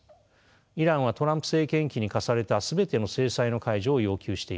イランはトランプ政権期に科された全ての制裁の解除を要求しています。